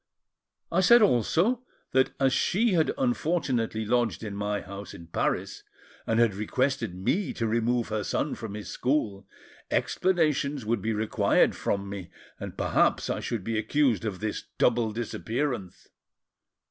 I said also that, as she had unfortunately lodged in my house in Paris, and had requested me to remove her son from his school, explanations would be required from me, and perhaps I should be accused of this double disappearance.